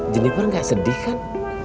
jennifer gak sedih kan